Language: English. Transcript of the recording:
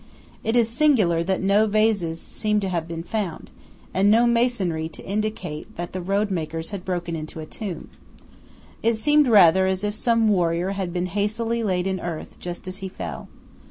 It is singular that no vases seem to have been found, and no masonry to indicate that the road makers had broken into a tomb. It seemed rather as if some warrior had been hastily laid in earth, just as he fell.